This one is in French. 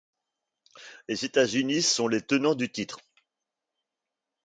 Les États-Unis sont les tenants du titre.